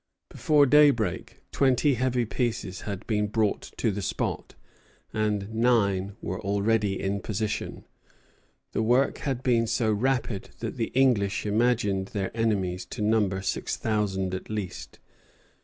Before daybreak twenty heavy pieces had been brought to the spot, and nine were already in position. The work had been so rapid that the English imagined their enemies to number six thousand at least.